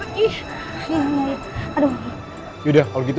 kayaknya kasus ini masih ada bangunan